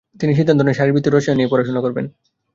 তিনি সিদ্ধান্ত নেন শারীরবৃত্তীয় রসায়ন নিয়েই পড়াশোনা করবেন।